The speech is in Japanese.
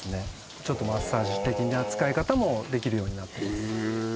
ちょっとマッサージ的な使い方もできるようになっていますへえ